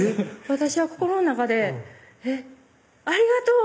私は心の中でえっありがとう！